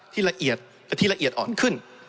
ละเอียดและที่ละเอียดอ่อนขึ้น